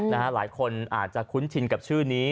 หลายคนอาจจะคุ้นชินกับชื่อนี้